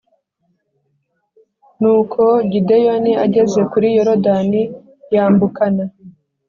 Nuko Gideyoni ageze kuri Yorodani yambukana